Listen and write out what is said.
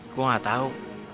gue nggak tahu